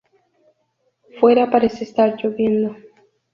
Fuera parece estar lloviendo.